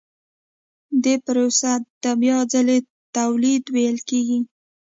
دې پروسې ته بیا ځلي تولید ویل کېږي